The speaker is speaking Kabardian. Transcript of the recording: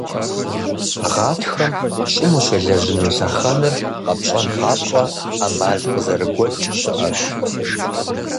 Гъатхэм щӀым ущелэжьыну лъэхъэнэр къэпщӀэн папщӀэ, Ӏэмал къызэрыгуэкӀ щыӀэщ.